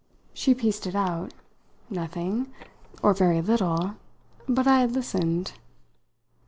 She pieced it out. "Nothing or very little. But I had listened."